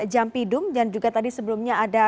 jampidum dan juga tadi sebelumnya ada